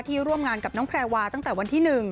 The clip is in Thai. ร่วมงานกับน้องแพรวาตั้งแต่วันที่๑